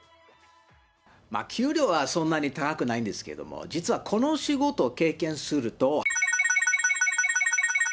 給料はそんなに高くないんですけども、実はこの仕事を経験すると、×××。